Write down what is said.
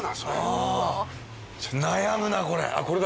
悩むなこれ。